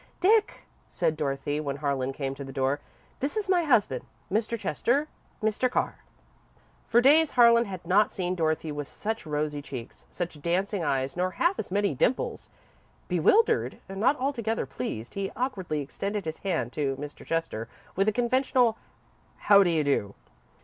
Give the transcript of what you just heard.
"Dick," said Dorothy, when Harlan came to the door, "this is my husband. Mr. Chester, Mr. Carr." For days Harlan had not seen Dorothy with such rosy cheeks, such dancing eyes, nor half as many dimples. Bewildered, and not altogether pleased, he awkwardly extended his hand to Mr. Chester, with a conventional "how do you do?"